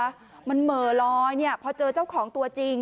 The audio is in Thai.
มันเหมือนเมื่อร้อยพอเจอเจ้าของตัวจริง